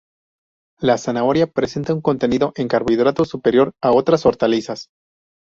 La zanahoria presenta un contenido en carbohidratos superior a otras hortalizas.